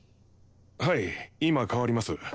はい今代わります。